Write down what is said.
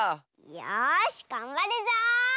よしがんばるぞ！